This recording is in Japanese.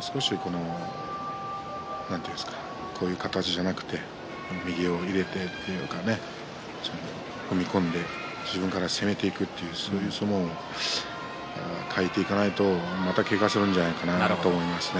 少しこういう形じゃなくて右を入れて、ちゃんと踏み込んで自分から攻めていくそういう相撲も変えていかないとまたけがをするんじゃないかなと思いますね。